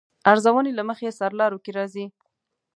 ارزونې له مخې سرلارو کې راځي.